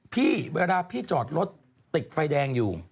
เวลาพี่จอดรถติดไฟแดงอยู่